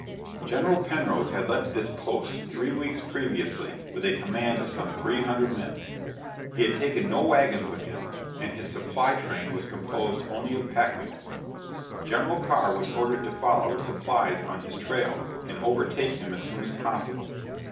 General Penrose had left this post three weeks previously with a command of some three hundred men. He had taken no wagons with him and his supply train was composed only of pack mules. General Carr was ordered to follow with supplies on his trail and overtake him as soon as possible.